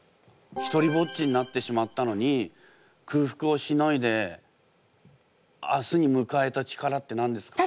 ひとりぼっちになってしまったのに空腹をしのいで明日にむかえた力って何ですか？